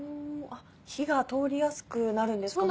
火が通りやすくなるんですかね？